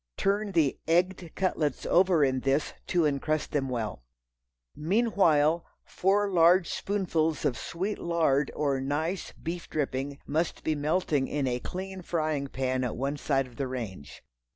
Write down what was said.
Turn the "egged" cutlets over in this to encrust them well. Meanwhile four large spoonfuls of sweet lard or nice beef dripping must be melting in a clean frying pan at one side of the range.